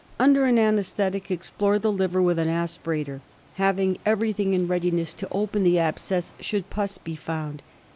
Under an anaesthetic explore the liver with an aspirator, having everything in readiness to open the abscess should pus be found.